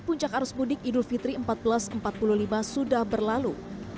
puncak arus mudik idul fitri seribu empat ratus empat puluh lima sudah berlalu